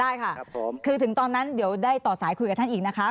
ได้ค่ะคือถึงตอนนั้นเดี๋ยวได้ต่อสายคุยกับท่านอีกนะคะ